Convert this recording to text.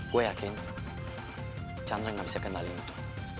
gue yakin chandra gak bisa kenalin itu